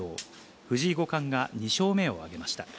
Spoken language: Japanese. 藤井五冠が２勝目を挙げました。